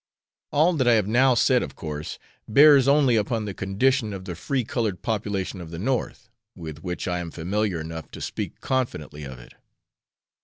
All that I have now said of course bears only upon the condition of the free coloured population of the North, with which I am familiar enough to speak confidently of it.